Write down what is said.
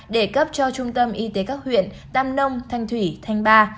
để cấp cho trung tâm y tế các huyện tam nông thanh thủy thanh ba